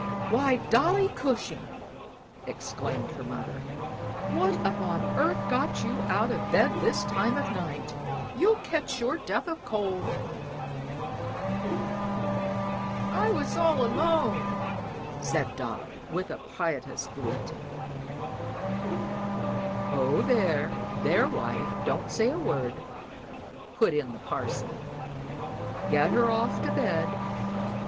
"Why, Dolly Cushing!" exclaimed her mother. "What upon earth got you out of bed this time of night? You'll catch your death o' cold." "I was all alone," said Dolly, with a piteous bleat. "Oh, there, there, wife; don't say a word," put in the parson. "Get her off to bed.